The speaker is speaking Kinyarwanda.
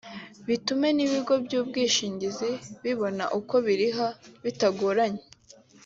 bitume n’ibigo by’ubwishingizi bibona uko biriha bitagoranye